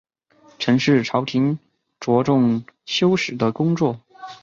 陈氏朝廷着重修史的工作。